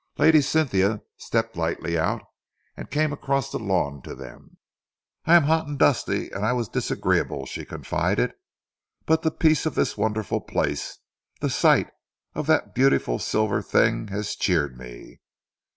Lady Cynthia stepped lightly out and came across the lawn to them. "I am hot and dusty and I was disagreeable," she confided, "but the peace of this wonderful place, and the sight of that beautiful silver thing have cheered me.